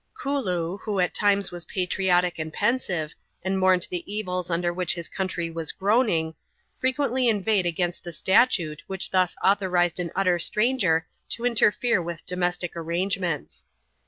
Kooloo, who at times was patriotic and pensive, and mourned the evils under which his country was groaning, frequently inveighed against the statute which thus authorized an utter stranger to interfere with domestic arrangements.